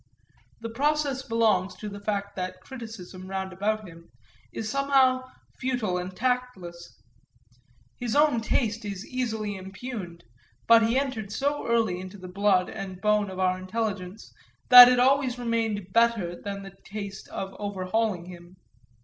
That process belongs to the fact that criticism, roundabout him, is somehow futile and tasteless. His own taste is easily impugned, but he entered so early into the blood and bone of our intelligence that it always remained better than the taste of overhauling him.